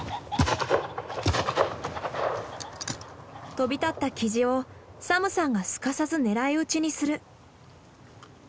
飛び立ったキジをサムさんがすかさず狙い撃ちにする。